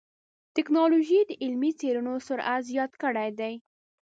ټکنالوجي د علمي څېړنو سرعت زیات کړی دی.